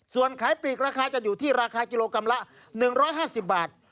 ส่วนขายปลีกราคาจะอยู่ที่ราคากิโลกรัมละ๑๕๐บาท